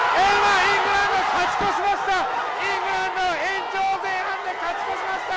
イングランド、勝ち越しました！